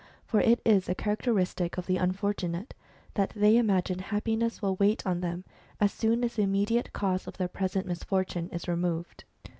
For it is a characteristic of the unfortunate that they imagine happiness will wait on them as soon as the immediate cause of their present misfortune is removed.